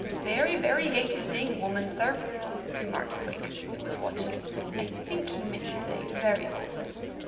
"Very variegated thing, woman, sir," remarked Quick, who was watching. (I think he meant to say "variable.")